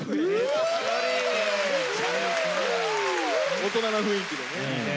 大人な雰囲気でね。